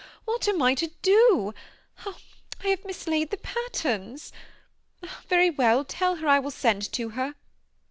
What am I to do ? I have mislaid the patterns. Very well, tell her I will send to her.